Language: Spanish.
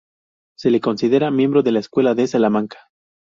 Se le considera miembro de la Escuela de Salamanca.